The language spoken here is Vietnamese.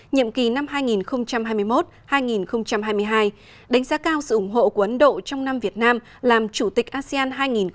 nhiệm kỳ năm hai nghìn hai mươi một hai nghìn hai mươi hai đánh giá cao sự ủng hộ của ấn độ trong năm việt nam làm chủ tịch asean hai nghìn hai mươi